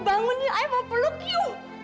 bangunlah aku mau memelukmu